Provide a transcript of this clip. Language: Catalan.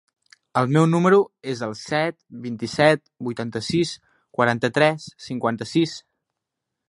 El meu número es el set, vint-i-set, vuitanta-sis, quaranta-tres, cinquanta-sis.